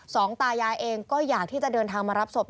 ตายายเองก็อยากที่จะเดินทางมารับศพ